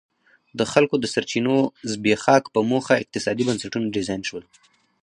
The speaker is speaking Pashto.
د خلکو د سرچینو زبېښاک په موخه اقتصادي بنسټونه ډیزاین شول.